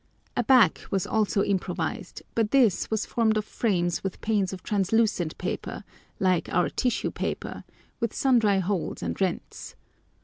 A back was also improvised, but this was formed of frames with panes of translucent paper, like our tissue paper, with sundry holes and rents.